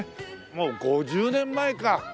もう５０年前か。